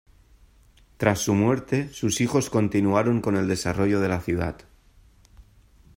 Tras su muerte, sus hijos continuaron con el desarrollo de la ciudad.